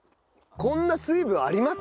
こんな水分あります？